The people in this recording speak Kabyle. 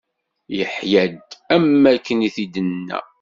Iḥya-d, am wakken i t-id-inna.